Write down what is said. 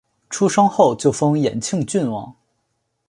出生后就封延庆郡王。